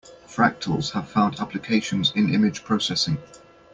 Fractals have found applications in image processing.